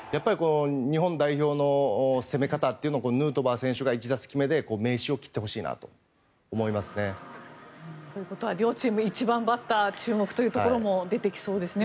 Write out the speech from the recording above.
日本代表の攻め方というのをヌートバー選手が１打席目で名刺を切ってほしいなと思いますね。ということは両チーム１番バッター注目というところも出てきそうですね。